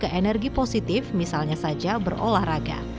ke energi positif misalnya saja berolahraga